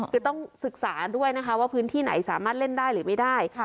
คือต้องศึกษาด้วยนะคะว่าพื้นที่ไหนสามารถเล่นได้หรือไม่ได้